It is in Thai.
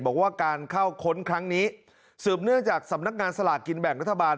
บอกว่าการเข้าค้นครั้งนี้สืบเนื่องจากสำนักงานสลากกินแบ่งรัฐบาล